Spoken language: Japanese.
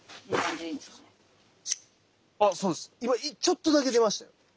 今ちょっとだけ出ましたよ。